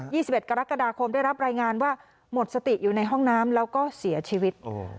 ี่สิบเอ็ดกรกฎาคมได้รับรายงานว่าหมดสติอยู่ในห้องน้ำแล้วก็เสียชีวิต